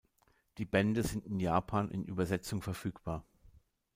Die Bände sind in Japan in Übersetzung verfügbar.